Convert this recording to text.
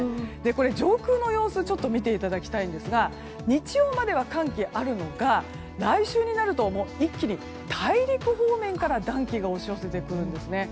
上空の様子を見ていただきたいんですが日曜までは寒気あるのが来週になると一気に大陸方面から暖気が押し寄せてくるんですよね。